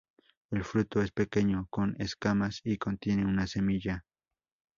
El fruto es pequeño, con escamas y contiene una semilla.